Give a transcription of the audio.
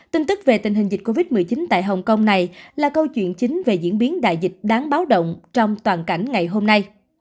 tin tức về tình hình dịch covid một mươi chín tại hồng kông này là câu chuyện chính về diễn biến đại dịch đáng báo động trong toàn cảnh ngày hôm nay